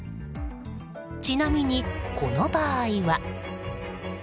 ちなみに、この場合は。